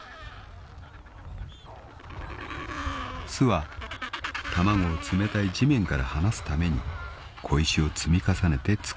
［巣は卵を冷たい地面から離すために小石を積み重ねて作る］